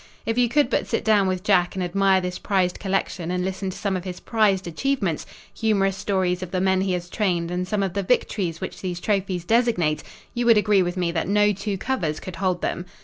If you could but sit down with Jack and admire this prized collection and listen to some of his prized achievements humorous stories of the men he has trained and some of the victories which these trophies designate you would agree with me that no two covers could hold them.